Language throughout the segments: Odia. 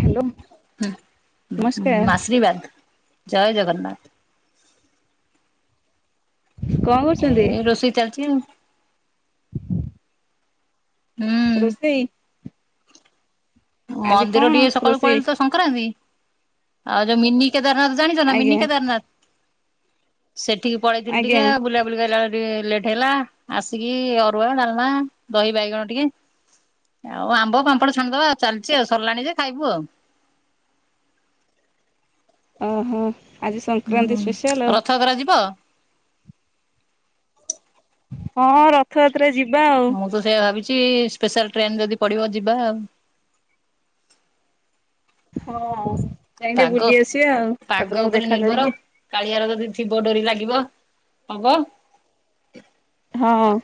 ହ୍ୟାଲୋ। ହୁଁ, ଗୁ-ଉଁ, ନମସ୍କାର ଆଶୀର୍ବାଦ ଜୟ ଜଗନ୍ନାଥ। କଣ କରୁଛନ୍ତି? ଏ ରୋଷେଇ ଚାଲିଛି ଆଉ। ହୁଁ। ରୋଷେଇ ଆଜି କଣ ମନ୍ଦିର ଟିକେ ସକାଳୁ ରୋଷେଇ ପଳେଇଲି ତ ସଂକ୍ରାନ୍ତି, ଆଉ ଯୋଉ ମିନି କେଦାରନାଥ ଜାଣିଚ ନା ଆଜ୍ଞା ମିନି କେଦାରନାଥ? ସେଠିକି ପଳେଇଥିଲୁ ଟିକେ ଆଜ୍ଞା ଆ, ବୁଲାବୁ ବୁଲିକି ଆଇଲାବେଳେ ଟିକେ ଲେଟ୍ ହେଲା, ଆସିକି ଅରୁଆ ଡାଲମା, ଦହି ବାଇଗଣ ଟିକେ ଆଉ ଆମ୍ବ ପାମ୍ପଡ ଛାଣିଦବା ଆଉ ଚାଲିଛି ଆଉ ସରିଲାଣି ଯେ ଖାଇବୁ ଆଉ। ଓ ହୋ ଆଜି ସଂକ୍ରାନ୍ତି ସ୍ପେଶିଆଲ ଆଉ। ରଥଯାତ୍ରାରେ ଯିବ? ହଁ ରଥଯାତ୍ରାରେ ଯିବା ଆଉ। ମୁଁ ତ ସେଇଆ ଭାବିଛି ସ୍ପେଶାଲ ଟ୍ରେନ୍ ଯଦି ପଡ଼ିବ ଯିବା ଆଉ। ହଁ ଯାଇଁ ଟିକେ ପାଗ ବୁଲି ଆସିବା ଆଉ ପାଗ ଠାକୁରଙ୍କୁ ଉପରେ ଦେଖା ନିର୍ଭର କରିକି। କାଳିଆର ଯଦି ଥିବ ଡୋରି ଲାଗିବ ହବ। ହଁ।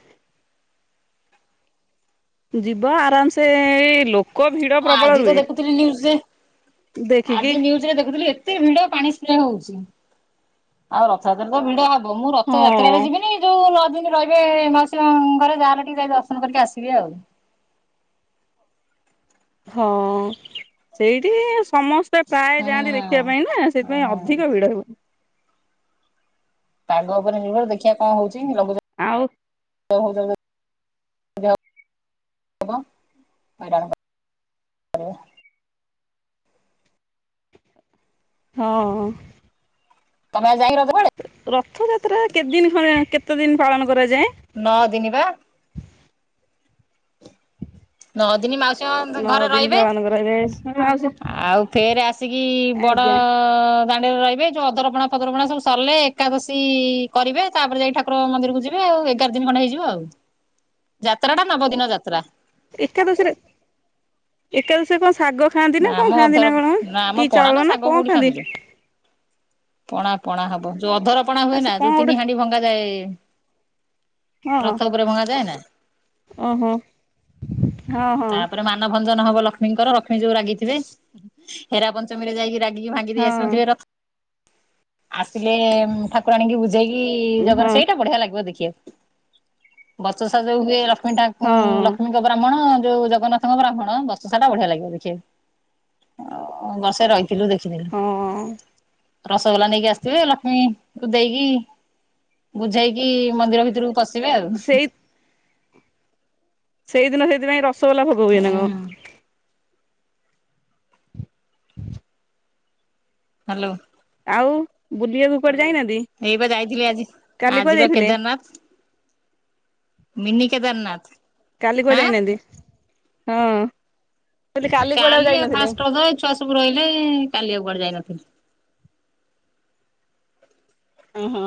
ଯିବା ଆରାମସେ ଏଇ ଲୋ ହଁ ଆଜି ତ ଦେଖୁଥିଲି ନ୍ୟୁଜ୍ ରେ ଦେଖିକି ଆଜି ନ୍ୟୁଜ୍ ରେ ଦେଖୁଥିଲି ଏତେ ଭିଡ ପାଣି ସ୍ପ୍ରେ ହଉଛି ଆଉ ରଥଯାତ୍ରା ତ ଭିଡ ହବ ମୁଁ ରଥଯାତ୍ରାରେ ହଁ ଯିବିନି ଯୋଉ ନଅ ଦିନ ରହିବେ ମାଉସୀ ମା ଙ୍କ ଘରେ ଯାହା ହେଲେ ଟିକେ ଯାଇ ଦର୍ଶନ କରିକି ଆସିବି ଆଉ। ହଁ ସେଇଠି ସମସ୍ତେ ପ୍ରାୟ ଯାଆନ୍ତି ଦେଖିବା ପାଇଁ ନା ସେ ପାଇଁ ଓହୋ ଅଧିକ ଭିଡ ହୁଏନି। ପାଗ ଉପରେ ନିର୍ଭର ଦେଖିବା କଣ ହଉଛି ଲଘୁଚା ଆଉ? [unintelligible] ଭଜା ଯୋଗୁଁ ଯା କଣ [unintelligible] ହଁ। ତମେ ଆଉ ଯାଇନ ଘରଆଡେ? ରଥଯାତ୍ରା କେତେ ଦିନ ଖଣ୍ଡେ କେତେ ଦିନ ପାଳନ କରାଯାଏ? ନଅ ଦିନି ବା। ନଅ ଦିନି ମାଉସୀ ମା ମନ୍ଦିର ନଅ ଘରେ ଦିନ ରହିବେ ପାଳନ କରାଯାଏ ମାଉସୀ ଆଉ ଫେରେ ଆସିକି ବଡ ଡ଼ ଆଜ୍ଞା ଦାଣ୍ଡରେ ରହିବେ ଯୋଉ ଅଧରପଣା ଫଧରପଣା ସବୁ ସରିଲେ ଏକାଦଶୀ କରିବେ ତାପରେ ଯାଇି ଠା ଠାକୁର ମନ୍ଦିରକୁ ଯିବେ ଆଉ ଏଗାର ଦିନ ଖଣ୍ଡେ ହେଇଯିବ ଆଉ ଯାତ୍ରା ଟା ନବ ଦିନ ଯାତ୍ରା। ଏକାଦଶୀରେ ଏକାଦଶୀରେ କଣ ସାଗ ଖାଆନ୍ତି ନା ନାଁ ଆମ କଣ ଖାଆନ୍ତି ଅଧର ନାଁ କଣ ନା ଆମ କି ପଣା ନା ଚାଉଳ ନାଁ ଶାଗ କଣ କୋଉଠି ଖାଆନ୍ତି? ଖାନ୍ଦିଲୁ ପଣା ପଣା ହବ ଯୋଉ ଅଧରପଣା ଆଉ ସେ ହୁଏନା କଣ ଯୋଉ ଗୋଟେ ତିନି ହାଣ୍ଡି ଭଙ୍ଗାଯାଏ। ହଁ ରଥ ଉପରେ ଭଙ୍ଗାଯାଏ ନା ଓହୋ ହଁ ହଁ ତାପରେ ମା ମନ ଭଞ୍ଜନ ହବ ଲକ୍ଷ୍ମୀଙ୍କର ଲକ୍ଷ୍ମୀ ଯୋଉ ରାଗିଥିବେ ହେରା ପଞ୍ଚମୀରେ ଯାଇକି ରା ଗିକି ଭାଙ୍ଗି ଦେଇ ହଁ ଆସିନଥିବେ ର ଆସିଲେ ଉଁ ଠାକୁରାଣୀଙ୍କି ବୁ ଝେଇକି ଜଗନ ହଁ ସେଇଟା ବଢିଆ ଲାଗିବ ଦେଖିବାକୁ ବଚସା ଯୋଉ ହୁଏ ର ଲକ୍ଷ୍ମୀ ଠାକୁ ହଁ ଲକ୍ଷ୍ମୀଙ୍କ ବ୍ରାହ୍ମଣ ଯୋଉ ଜଗନ୍ନାଥଙ୍କ ବ୍ରାହ୍ମଣ ବର୍ଷସାରା ଟା ବଢିଆ ଲାଗିବ ଦେଖିବାକୁ। ହଁ ବର୍ଷେ ରହିଥିଲୁ ଦେଖିଥିଲୁ। ହଁ ରସଗୋଲା ନେଇକି ଆସିଥିବେ ଲକ୍ଷ୍ମୀଙ୍କୁ ଦେଇକି ବୁଝାଇକି ମନ୍ଦିର ଭିତରକୁ ପଶିବେ ଆଉ। ସେଇ ସେଇଦିନ ସେଇଥିପାଇଁ ରସଗୋଲା ଭୋଗ ହୁଏ ନାଁ ହୁଁ କଣ? ହାଲୋ। ଆଉ ବୁଲିବାକୁ କୁଆଡେ ଯାଇନାହାନ୍ତି? ଏଇ ବା ଯାଇଥିଲି ଆଜି କାଲି କୁଆଡେ ଆଜି ବା ଯାଇଥିଲେ Kedarnath. Mini Kedarnath. କାଲି କୁଆଡେ ଯାଇନାହାନ୍ତି ହଁ ମୁଁ କହିଲି କାଲି କୁଆଡେ ଆଉ ଯାଇନଥିଲେ? ଫାଷ୍ଟ ରଜ ଏଇ ଛୁଆ ସବୁ ରହିଲେ କାଲି ଆଉ କୁୁଆଡେ ଯାଇନଥିଲି। ଓ ହୋ।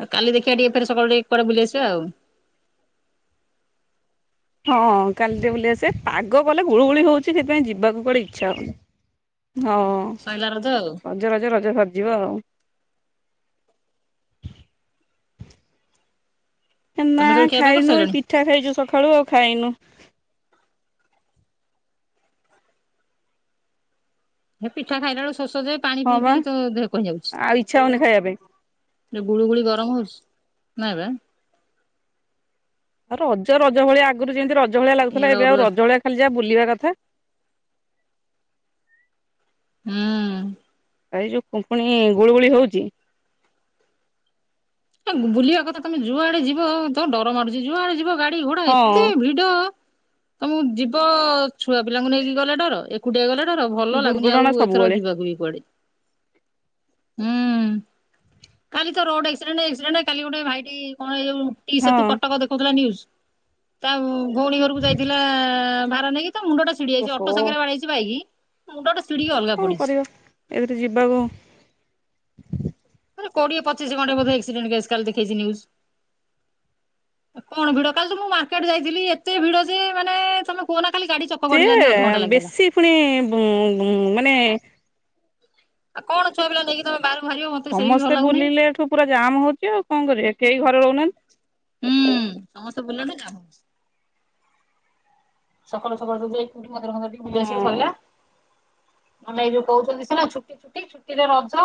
ଆଉ କାଲି ଦେଖିବା ଟିକେ ଫେରେ ସକାଳୁ ଟିକେ କୁଆଡେ ବୁଲି ଆସିବା ଆଉ। ହଁ କାଲି ଟିକେ ବୁଲି ଆସିବା ପାଗ କଲେ ଗୁଳୁଗୁଳି ହଉଚି ସେଥିପାଇଁ ଯିବାକୁ କୁଆଡ଼େ ଇଚ୍ଛା ହଉନି। ହଁ। ସଇଲା ରଜ ଆଉ। ରଜ ରଜ ରଜ ସରିଯିବ ଆଉ। ଏନା ତମେ ସବୁ ଖିଆପିଆ ଖାଇନୁ ଏଇ କରିସାରିଲଣି? ପିଠା ଖାଇଚୁ ସକାଳୁ ଆଉ ଖାଇନୁ। ହେପିଠା ଖାଇଲା ବେଳକୁ ଶୋଷଯେ ପାଣି ହଁ ପିଇ ବା ପିଇ ତୋଦେହ କଣ ହେଇଯାଉଚି। ଆଉ ଇଚ୍ଛା ହଉନି ଖାଇବା ପାଇଁ। ଯଉ ଗୁଳୁ ଗୁଳି ଗରମ୍ ହଉଚି ନାଇଁବା। ଆଉ ରଜ ରଜ ଭଳିଆ ଆଗରୁ ଯେମିତି ରଜ ଭଳିଆ ଲାଗୁଥିଲା ଇଆଡେ ଏବେ ଆଉ ଅରୁଆ ରଜ ଭଳିଆ ଖାଲି ଯାହା ବୁଲିବା କଥା। ହୁଁ ଏଯୋଉ କୁଙ୍କୁଣି ଗୁଳୁ ଗୁଳି ହଉଚି ଏବୁଲିବା କଥା ତମେ ଯୁଆଡ଼େ ଯିବ ତମ ଡର ମଡୁଚି ଯୁଆଡ଼େ ଯିବ ଗାଡି ଘୋଡା ଏତେ ହଁ ଭିଡ ଭିଡ ତମକୁ ଯିବ ଛୁଆ ପିଲାଙ୍କୁ ନେଇକି ଗଲେ ଡର ଏକୁ ଏକୁଟିଆ ଗଲେ ଡର ଭଲ ଲାଗୁନି ଆଉ ଦୁର୍ଘଟଣା ଏଥର ସବୁବେଳେ ଯିବାକୁବି କୁଆଡ଼େ। ହୁଁ କାଲିତ ରୋଡ଼ ଆକ୍ସି ଡେଣ୍ଟ ଆକ୍ସିଡେଣ୍ଟ କାଲି ଗୋଟେ ଭାଇଟି କଣ ଏଯୋଉ ଟିଷେତୁ ହଁ। କଟକ ଦେଖଉଥିଲା ନିୟୁଜ୍। ଭଉଣୀ ଘରକୁ ଯାଇଥିଲା ଭାର ନେଇକି ତାମୁଣ୍ଡ ଟା ଛିଡି ଯାଇଚି ଓହୋ ଅଟୋ ସାଙ୍ଗରେ ବାଡ଼େଇଚି ବାଇକ୍ ମୁଣ୍ଡଟା ଛିଡିକି ଅଲଗା ପଡ଼ିଚି। ଏବେତ ଯିବାକୁ ମାନେ କୋଡ଼ିଏ ପଚିଶି ଘଣ୍ଟେ ଆକ୍ସିଡେଣ୍ଟ କେସ୍ ଦେଖେଇଚି କାଲି ନିଉଜ୍। କଣ ଭିଡ଼ କାଲିତ ମୁଁ ମାର୍କେଟ ଯଇଥିଲି ଏତେ ଭିଡ଼ଯେ ମାନେ ତମେ କୁହନା ଖାଲି ଗାଡ଼ି ଚପେ ସିଏ ବେଶୀ ପୁଣି ଉ ବୁ ମାନେ ଆଉ କଣ ଛୁଆ ପିଲାଙ୍କୁ ନେଇକି ତମେ ବାହାରକୁ ବାହାରିବ ମତେ ସେବି ଭଲ ଲାଗୁନି। ମୁପୁରା ଜାମ ହଉଚି ଆଉ କଣ କରିବେ କେହି ଘରେ ରହୁ ନାହାନ୍ତି। ହୁଁ ସମସ୍ତେ ବୁଲନ୍ତି ଗୋଟେ କାମ ସକାଳୁ ସକାଳୁ ସବୁ ଯାଇ କୋଉଠି ମନ୍ଦିର ଫନ୍ଦିର ଟିକେ ବୁଲି ଆସିବ ହଁ ସଇଲା। [inaudible] ମାନେ ଏଇ ଯୋଉ କହୁଚନ୍ତି ସିନା ଛୁଟି ଛୁଟି ଛୁଟିରେ ରଜ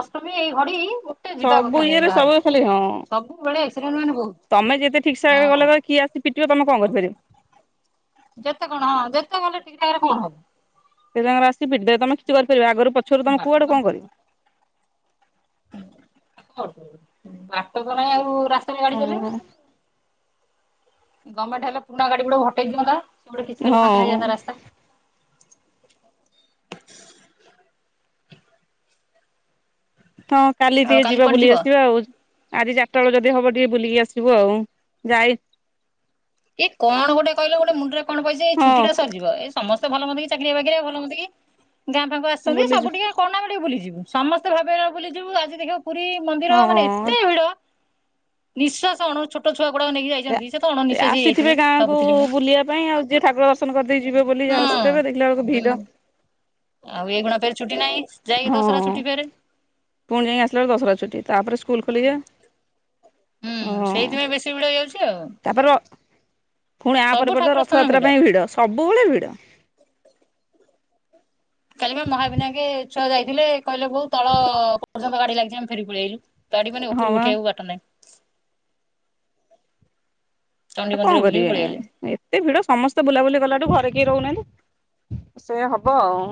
ଅଷ୍ଟମୀ ଏଇ ଘଡ଼ି ମୋଟେ ଯିବା ସବୁ କଥା ନୁହେଁ ଇଏରେ ବାହାରକୁ, ସବୁ ଖାଲି ହଁ ସବୁବେଳେ ଆକ୍ସିଡେଣ୍ଟ ମାନେ ବହୁତ୍ ତମେ ଯେତେ ଠିକସେ ଗଲେ କିଏ ଆସି ପିଟିବ ତମେ କଣ କରିପାରିବ? ଯେତେ କଣ ହଁ ଯେତେ ଗଲେ ଠିକ୍ ଠାକରେ କଣ ହବ। ସେତାଙ୍କର ଆସି ପିଟି ଦେବେ ତମେ କିଛି କରିପାରିବ ଆଗରୁ ପଛରୁ ତମ ବାଟ କୁଆଡ଼ୁ କଣ କରିବ। ହୁଁ ହୁଁ [unintelligible] ବାଟସାରା ଆଉ ରାସ୍ତାରେ ଗାଡ଼ି ହଁ। ଚାଲେଇବେ। ଗଣମେଣ୍ଟ ହେଲେ ପୁରୁଣା ଗାଡ଼ି ଗିଡ଼ିଅରା ହଟେଇ ଦିଅନ୍ତା ସିଏଗୋଟେ କିଛିହେଲେ ଫାଙ୍କା ହଁ ହେଇଯାନ୍ତା ରାସ୍ ହଁ କାଲି ଆଉ ଟିକେ ଯିବା କୁଆଡେ ଯିବ? ବୁଲି ଆସିବା ଆଉ। ଆଜି ଚାରିଟା ବେଳ ଯେଦି ହବ ଟିକେ ବୁଲିକି ଆସିବୁ ଆଉ ଯାଇ ଏଇ କଣ ଗୋଟେ କହିଲ ଗୋଟେ ମୁଣ୍ଡରେ କଣ ପଇଚି ହଁ ଛୁଟିଟା ସରି ଯିବା ଏଇ ସମସ୍ତେ ଭଲ ମନ୍ଦକି ଚାକିରିଆ ବାକିରିଆ ଭଲ ମନ୍ଦନ୍ତିକି ଗାଁ ପାଖକୁ ଆଚନ୍ତି ସବୁ ବୁଲିଛୁ ଟିକେ କଣନା ଆମେ ଟିକେ ବୁଲି ଯିବୁ। ସମସ୍ତେ ଭାବର ବୁଲିଯିବୁ ଆଜି ଦେଖିବ ପୁରୀ ମନ୍ଦିର ମାନେ ହଁ। ଏତେ ଭିଡ଼ ନିଶାସ ଅଣୁ ଛୋଟ ଛୁଆ ଗୁଡ଼ାକ ନେଇକି ଯାଇଚନ୍ତି ସେତ ଅଣନୀ ସେଥିପାଇଁ ଗାଁକୁ ବୁଲିବା ପାଇଁ ଆଉ ଯିଏ ଠାକୁର ଦର୍ଶନ କରିଦେଇ ଯିବ ବୋଲି ହଁ ଆସୁଥିବେ ଦେଖିଲା ବେଳକୁ ହୁଁ ଭିଡ଼ ଆଉ ଏଇଖିଣାତ ଏଠି ଛୁଟି ନାହିଁ ଯାଇକି ହଁ, ଦଶହରା ଛୁଟି ଫେରେ। ପୁଣି ଯାଇକି ଆସିଲା ବେଳକୁ ଦଶହରା ଛୁଟି, ତାପରେ ସ୍କୁଲ୍ ଖୋଲିଯାଏ। ହୁଁ ହଁ ସେଇଥିପାଇଁ ବେଶୀ ଭିଡ ହେଇଯାଉଛି ଆଉ। ତାପରେ ପୁଣି ସବୁ ଆପରେ ପରେତ ଠାକୁର ସ୍ଥାନ ରଥଯାତ୍ରା ଭିଡ। ପାଇଁ ଭିଡ଼, ସବୁବେଳେ ଭିଡ଼। କାଲିବା ମହାବିନାକେ ଛୁଆ ଯାଇଥିଲେ କହିଲେ ବଉ ତଳ ପର୍ଯ୍ୟନ୍ତ ଗାଡ଼ି ଲାଗିଚି ଆମେ ଫେରିକି ପଳେଇ ଆଇଲୁ। ଗାଡି ମାନେ ହଁ ଉପରକୁ ବା। ଉଠେଇବାକୁ ବାଟ ନାହିଁ। ଚଣ୍ଡି ଆଉ ମନ୍ଦିର କଣ ବୁଲିକି କରିବେ। ପଳେଇଆଇଲେ। ଏ ଏତେ ଭିଡ଼ ସମସ୍ତେ ବୁଲାବୁଲି କଲାଠୁ ଘରେ କେହିର ରହୁନାହାନ୍ତି। ସେଇଆ ହବ ଆଉ।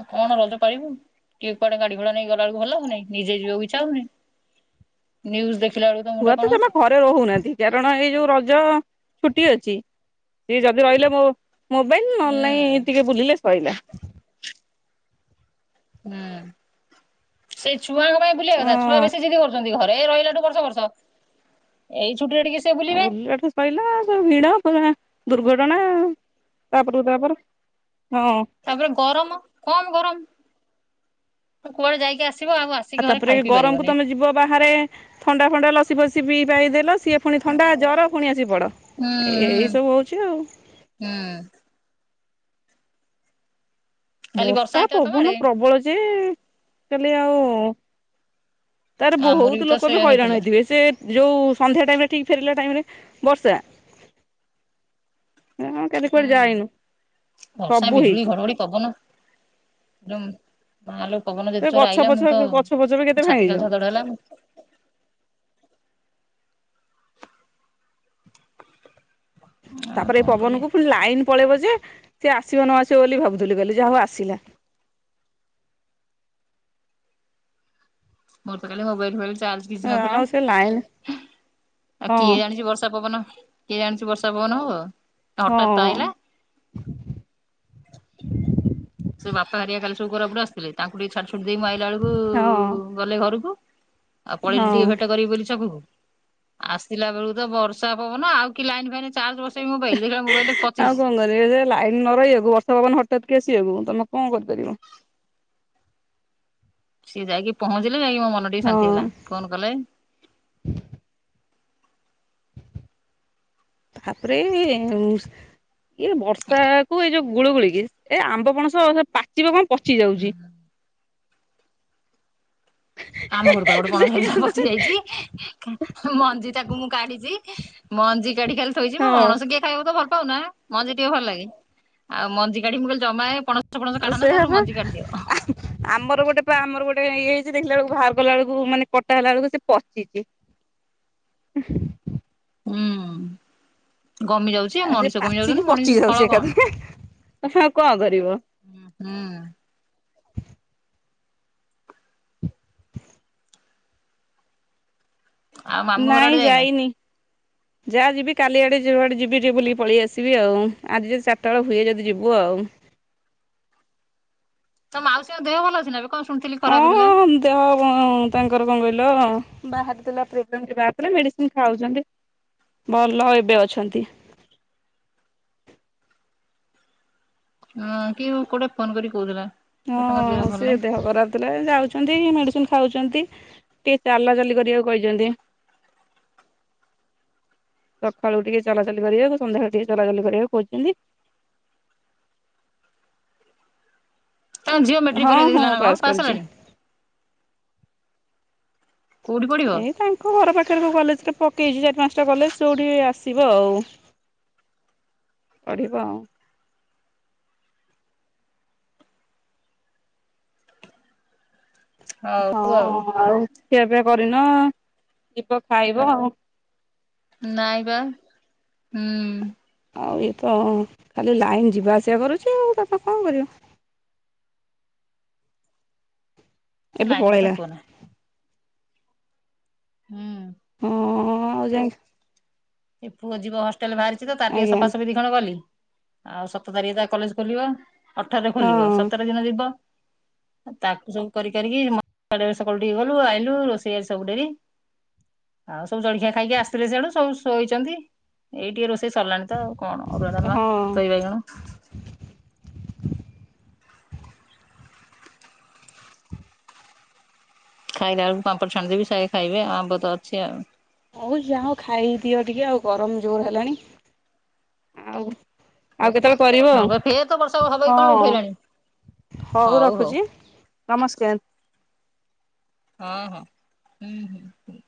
ଆଉ କଣ ରଜ ପାଳିବୁ। କିଏ କୁଆଡ଼େ ଗାଡ଼ିଘୋଡ଼ା ନେଇକି ଗଲା ବେଳକୁ ଭଲ ଲାଗୁନି। ନିଜେ ଯିବାକୁ ଇଚ୍ଛା ହେଉନି। ନ୍ୟୁଜ୍ ଦେଖିଲା ବେଳକୁ ତ ଛୁଆ ମୁଣ୍ଡ କଣ ଜମା ହଉଚି। ଘରେ ରହୁନାହାନ୍ତି, କାରଣ ଏଇ ଯୋଉ ରଜ ଛୁଟି ଅଛି ସିଏ ଯଦି ରହିଲେ ମୋ ମୋବାଇଲ ନ ହେଲେ ନାଇଁ ହୁଁ ଟିକେ ବୁଲିଲେ ସଇଲା। ହୁଁ। ସେ ଛୁଆଙ୍କ ପାଇଁ ବୁଲିବା ଅ କଥା। ଛୁଆ ବେଶୀ ଜିଦି କରୁଛନ୍ତି, ଘରେ ରହିଲାଠୁ ବର୍ଷ ବର୍ଷ। ଏଇ ଛୁଟି ରେ ଟିକେ ସେ ଆଉ ବୁଲିବେ ବୁଲିଲା ଠୁ ସଇଲା। ସବୁ ଭିଡ ପୁଣି ଦୁର୍ଘଟଣା ତାପରକୁ ତାପର। ହଁ। ତାପରେ ଗରମ, କମ ଗରମ୍। କୁଆଡେ ଯାଇକି ଆସିବ ଆଉ ଆସ ଆଉ ତାପରେ ବି ଗରମ କୁ ତମେ ଯିବ ବାହାରେ ଥଣ୍ଡା ଫଣ୍ଡା ଲସି ଫସିି ପିଇ ପାଇଦେଲ ସିଏ ପୁଣି ଥଣ୍ଡା ଜ୍ୱର ପୁଣି ଆସି ପଡ଼। ଉଁ ହୁଁ ହୁଁ। କାଲି ବର୍ଷା ହେଇଥିଲା ତମ ପବନ ଆଡେ? ପ୍ରବଳ ଯେ, କାଲି ଆଉ ତାପରେ ଆମର ବହୁତ ତ ଲୋକ ବି ସେଇଆ ହଇରାଣ ହେଇଥିଲା। ହେଇଥିବେ। ସେ ଯୋଉ ସନ୍ଧ୍ୟା ଟାଇମ ରେ ଠିକ୍ ଫେରିଲା ଟାଇମ ରେ ବର୍ଷା। କାଲି ହୁଁ କୁଆଡେ ଯାଇନୁ। ସବୁ ହେଇଚି। [unintelligible] ପବନ ମାଆ ଲୋ, ପବନ ଏ ଯେତେ ଜୋରେ ଗଛ ଆଇଲା, ପଛ ମୁଁ ତ ଗଛ ଫଛ ବି କେତେ ମୋ ଛାତି ଭାଙ୍ଗିଯିବ ଖାଲି ଧଡ଼ଧଡ଼ ହେଲା। ଆଉ ତାପରେ ଏଇ କଣ କରିବା ପବନକୁ ପୁଣି ଲାଇନ୍ ପଳେଇବ ଯେ ସେ ଆସିବ ନ ଆସିବ ବୋଲି ଭାବୁଥିଲି କାଲି ଯାହା ହଉ ଆସିଲା। ମୋର କାଲି ମୋବାଇଲ ଫୋବାଇଲ ଚାର୍ଜ କିଛି ନଥିଲା। ଆଉ ସେ ଲାଇନ ଆଉ ହଁ କିଏ ଜାଣିଚି ବର୍ଷା ପବନ କିଏ ଜାଣିଚି ବର୍ଷା ପବନ ହବ। ଆ ହଁ ହଠାତ୍ ତ ଆଇଲା। ସେ ବାପା ହାରିକା କାଲି ସବୁ କୋରାପୁଟ ଆସିଥିଲେ। ତାଙ୍କୁ ସବୁ ଛାଡ଼ିଛୁଡ଼ି ଦେଇ ମୁଁ ଆଇଲା ବେଳକୁ ହଁ ଗଲେ ଘରକୁ। ଆଉ ପଳେଇଲି ହଁ ଟିକେ ଭେଟ କରିବି ବୋଲି ଛକ କୁ। ଆସିଲା ବେଳକୁ ତ ବର୍ଷା ପବନ ଆଉ କି ଲାଇନ୍ ଫାଇନ୍ ଚାର୍ଜ ବସେଇବି ମୋବାଇଲ୍। ଦେଖିଲା ବେଳକୁ ମୋବାଇଲ ରେ ଆଉ ପଚିସି। କଣ ସେ ଯେ ଲାଇନ ନ ରହିବାକୁ ବର୍ଷା ପବନ ହଠାତ୍ କି ଆସିବାକୁ ତମେ କଣ କରିପାରିବ। ସିଏ ଯାଇକି ପହଞ୍ଚିଲେ ଯାଇକି ମୋ ମନ ଟିକେ ଶାନ୍ତି ହେଲା। ହଁ ଫୋନ୍ କଲେ। ତାପରେ ଇଏ ବର୍ଷା କୁ ଏଇ ଯୋଉ ଗୁଳ ଗୁଳିକି ଏ ଆମ୍ବ ପଣସ ପାଚିବ କଣ ପଚି ଯାଉଚି। ଆମ ଘରୁ ପା ଗୋଟେ ପଣସ ହେଇଥିଲା ପଚି ଯାଇଚି। ମଞ୍ଜି ଟାକୁ ମୁଁ କାଢିଚି ମଞ୍ଜି କାଢି ଖାଲି ଥୋଇଚି। ପଣସ ହଁ କିଏ ଖାଇବାକୁ ତ ଭଲ ପାଉନା। ମଞ୍ଜି ଟିକେ ଭଲ ଲାଗେ। ଆଉ ମଞ୍ଜି କାଢିକି ମୁଁ କହିଲି ଜମା ଏ ପଣସ ଫଣସ କାଢନା ତା ସେଇଆ ଦେହରୁ ବା ମଞ୍ଜି କାଢିଦିଅ। ଆମର ଗୋଟେ ପା ଆମର ଗୋଟେ ଇଏ ହେଇଚି, ଦେଖିଲା ବେଳକୁ ବାହାର ଗଲା ବେଳକୁ ମାନେ କଟା ହେଲା ବେଳକୁ ସେ ପଚିଚି। [inaudible] ହୁଁ, ଗମି ଯାଉଚି। ଆଉ ସେ ପାଚିକି ପଚି ଯାଉଚି ଏକାଥରେ। ଆଉ ସେଇୟା କୁ କଣ କରିବ। ହୁଁ ହୁଁ। ଆଉ ମାମୁଁ ଘର ନାଇଁ ଆଡେ ଯାଇନା ଯାଇନି। ଯାହା ଯିବି କାଲିଆଡ଼େ ଯୁଆଡ଼େ ଯିବି ଟିକେ ବୁଲିକି ପଳେଇ ଆସିବି ଆଉ। ଆଜି ଯଦି ଚାରିଟା ବେଳେ ହୁଏ ଯଦି ଯିବୁ ଆଉ। ତ ମାଉସୀଙ୍କ ଦେହ ଭଲ ଅଛି ନା ଏବେ? କଣ ଶୁଣିଥିଲି ଖରାପ ଥିଲା। ହଁ ଦେହ ତାଙ୍କର କଣ କହିଲ ବାହାରିଥିଲା ପ୍ରିଭେନ୍ତି ବାହାରିଥିଲା ମେଡିସିନ ଖାଉଚନ୍ତି ଭଲ ଏବେ ଅଛନ୍ତି। ହ କିଏ ମ କୋଟେ ଫୋନ କରି କହୁଥିଲା। ତାଙ୍କ ଦେହ ହଁ ଭଲ ସେ ନାହିଁ ଦେହ ଖରାପ ଥିଲା ଯାଉଚନ୍ତି ମେଡିସିନ ଖାଉଚନ୍ତି। ଟିକେ ଚାଲା ଚାଲି କରିବାକୁ କହିଚନ୍ତି। ସକାଳୁ ଉଠିକି ଚଲାଚଲି କରିବାକୁ ସନ୍ଧ୍ୟାବେଳେ ଟିକେ ଚଲାଚଲି କରିବାକୁ କହିଛନ୍ତି। ତାଙ୍କ ଝିଅ ମେଟ୍ରିକ ହଁ ପରୀକ୍ଷା ହଁ ଦେଇଥିଲା ନା କଣ, ପାସ୍ କରିଛି। ହେଲାଣି? କୋଉଠି ପଢିବ? ଏଇ ତାଙ୍କ ଘର ପାଖରେ କୋଉ କଲେଜ ଟା ପକେଇଚି ଚାରି ପାଞ୍ଚଟା କଲେଜ ଯୋଉଠି ଆସିବ ଆଉ। ପଢ଼ିବ ଆଉ। ହଁ ଆଉ ଖିଆ ପିଆ କରିନ। ଯିବ ଖାଇବ ଆଉ। ନାଇଁ ବା ହୁଁ। ଆଉ ଇଏ ତ ଖାଲି ଲାଇନ୍ ଯିବା ଆସିବା କରୁଚି ଆଉ ତାପରେ କଣ କରିବ? ସେ ଏବେ ଲାଇନ କଥା ପଳେଇଲା। କୁହନା। ହୁଁ। ହଁ ଆଉ ଯାଇ ଏ ପୁଅ ଯିବ ହଷ୍ଟେଲ ବାହାରିଚି ତ ତାର ଟିକେ ଆଜ୍ଞା ସଫାସଫି ରି କଣ କଲି ଆଉ ସତ ତାରିଖ ରେ ତା କଲେଜ ଖୋଲିବ ଅଠର ରେ ଖୋଲିବ। ହଁ ସତର ଦିନ ଯିବ। ତାକୁ ସବୁ କରିିକାରିକି ମ ସକାଳୁ ଟିକେ ଗଲୁ ଆଇଲୁ ରୋଷେଇ ବାସ ସବୁ ଡେରି। ଆଉ ସବୁ ଜଳିଖିଆ ଖାଇକି ଆସିଥିଲେ ସିଆଡୁ। ସବୁ ଶୋ ଶୋଇଚନ୍ତି। ଏଇ ଟିକେ ରୋଷେଇ ସରିଲାଣି ତ ଆଉ କଣ, ଅରୁଆ ଡାଲମା ହଁ। ଦହି ବାଇଗଣ ଖାଇଲା ବଳକୁ ପାମ୍ପ ଛାଣିଦେବି ସେ ଆଗେ ଖାଇବେ। ଆଉ ଆମ୍ବ ତ ଅଛି ଆଉ। ହଉ ଯାଅ ଖାଇଦିଅ ଟିକେ ଆଉ ଗରମ ଜୋର ହେଲାଣି। ଆଉ ଆଉ କେତେବେଳେ କରିବ। ହଁ ବା ଫେର ତ ବର୍ଷା ହବ କି କଣ ହଁ। ଉଠେଇଲାଣି ହଉ ରଖୁଚି ନମସ୍କାର। ହଁ ହଁ ହୁଁ ହୁଁ।